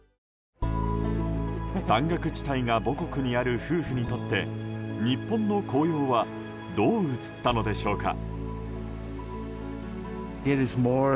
山岳地帯が母国にある夫婦にとって日本の紅葉はどう映ったのでしょうか？